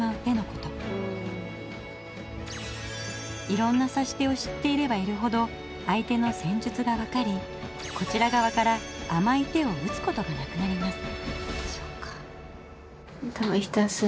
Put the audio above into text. いろんな指し手を知っていればいるほど相手の戦術が分かりこちら側から甘い手を打つことがなくなります。